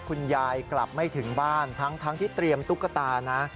กลับไม่ถึงบ้านทั้งที่เตรียมตุ๊กตานะ